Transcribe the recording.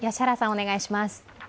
お願いします。